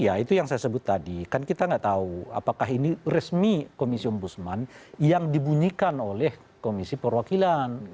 ya itu yang saya sebut tadi kan kita nggak tahu apakah ini resmi komisi om busman yang dibunyikan oleh komisi perwakilan